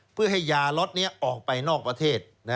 เพื่อให้ยาล็อตนี้ออกไปนอกประเทศ